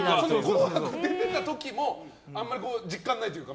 「紅白」出てた時もあんまり実感ないというか？